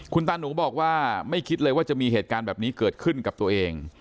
คุณตาหนูบอกว่าไม่คิดเลยว่าจะมีเหตุการณ์แบบนี้เกิดขึ้นกับตัวเอง